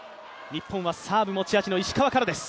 日本はサーブが持ち味の石川からです。